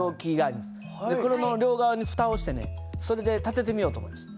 これの両側にふたをしてねそれで立ててみようと思います。